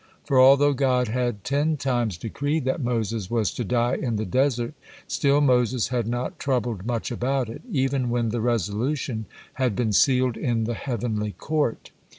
For although God had ten times decreed that Moses was to die in the desert, still Moses had not troubled much about it, even when the resolution had been sealed in the heavenly court.